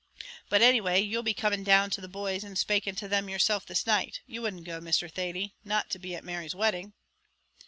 But any way you'll be coming down to the boys and spaking to them yerself this night you wouldn't go, Mr. Thady, not to be at Mary's wedding?"